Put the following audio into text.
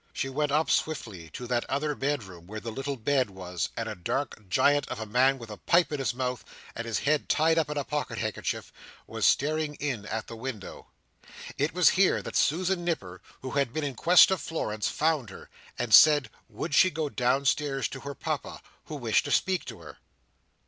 She went up swiftly to that other bedroom, where the little bed was; and a dark giant of a man with a pipe in his mouth, and his head tied up in a pocket handkerchief, was staring in at the window. It was here that Susan Nipper, who had been in quest of Florence, found her, and said, would she go downstairs to her Papa, who wished to speak to her.